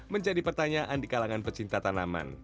menjadi pertanyaan di kalangan pecinta tanaman